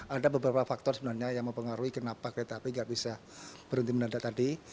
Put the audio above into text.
ada beberapa faktor sebenarnya yang mempengaruhi kenapa kereta api nggak bisa berhenti menanda tadi